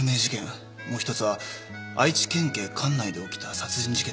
もう１つは愛知県警管内で起きた殺人事件です。